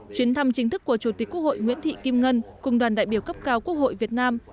chuyến thăm chính thức của chủ tịch quốc hội nguyễn thị kim ngân cùng đoàn đại biểu cấp cao quốc hội việt nam